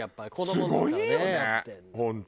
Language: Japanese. すごいよね本当。